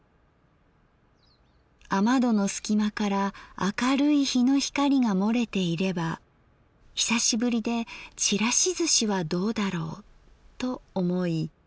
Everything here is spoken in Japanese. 雨戸の隙間から明るい陽の光が洩れていれば久しぶりでちらしずしはどうだろうと思い